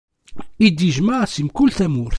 I d-ijmeɛ si mkul tamurt.